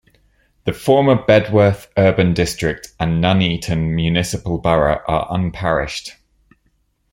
The former Bedworth Urban District and Nuneaton Municipal Borough are unparished.